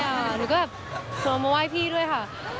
หนูก็แบบส่งมาไหว้พี่ด้วยค่ะ